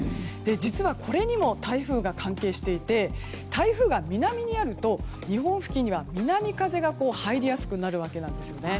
実はこれにも台風が関係していて台風が南にあると日本付近には南風が入りやすくなるわけなんですよね。